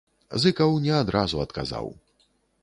Зыкаў не адразу адказаў.